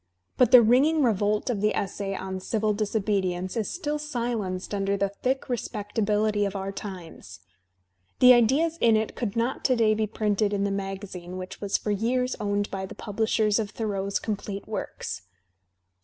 But the ringing revolt of the essay on "Civil Disobedience" is still silenced under the thick respectabihty of our times. The ideas in it could not to day be printed in the magazine which was for years owned by the publishers of TJioreau's complete works.